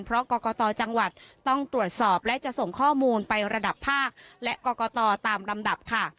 เพราะกรกตจังหวัดต้องตรวจสอบและจะส่งข้อมูลไประดับภาคและกรกตตามลำดับค่ะ